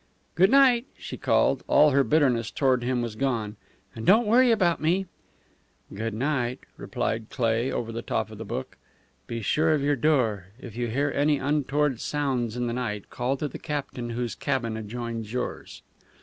"Good night," she called. All her bitterness toward him was gone. "And don't worry about me." "Good night," replied Cleigh over the top of the book. "Be sure of your door. If you hear any untoward sounds in the night call to the captain whose cabin adjoins yours."